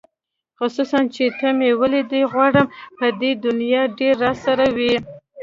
خصوصاً چې ته مې لیدلې غواړم په دې دنیا ډېره راسره وې